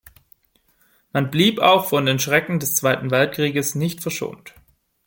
Man blieb auch von den Schrecken des Zweiten Weltkrieges nicht verschont.